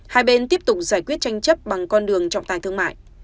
hai bên tiếp tục giải quyết tranh niệm